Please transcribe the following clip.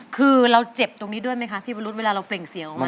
คือเราเจ็บตรงนี้ด้วยไหมคะพี่วรุษเวลาเราเปล่งเสียงออกมา